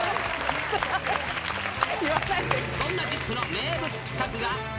そんなＺＩＰ！の名物企画が。